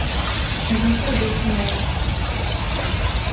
Вітер дув з моря.